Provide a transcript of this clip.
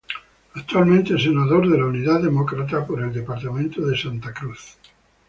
Actualmente, es Senador de Unidad Demócrata por el Departamento de Santa Cruz.